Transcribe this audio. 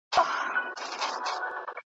ویل خدای دي عوض درکړي ملاجانه `